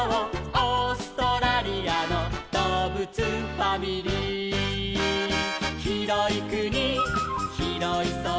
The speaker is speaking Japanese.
オーストラリアのどうぶつファミリー」「ひろいくにひろいそら」